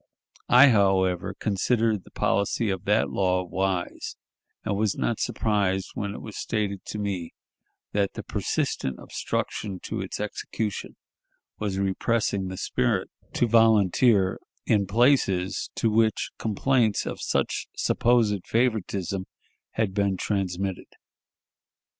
I, however, considered the policy of that law wise, and was not surprised when it was stated to me that the persistent obstruction to its execution was repressing the spirit to volunteer in places to which complaints of such supposed favoritism had been transmitted.